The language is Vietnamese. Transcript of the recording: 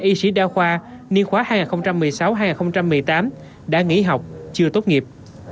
y sĩ đa khoa niên khóa hai nghìn một mươi sáu hai nghìn một mươi tám đã nghỉ học chưa tốt nghiệp